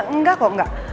enggak kok enggak